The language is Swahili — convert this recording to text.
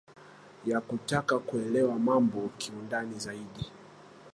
ya kutaka kuelewa mambo kiundani zaidi